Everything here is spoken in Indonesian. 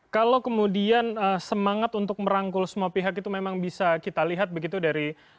kalau kemudian semangat untuk merangkul semua pihak itu memang bisa kita lihat begitu dari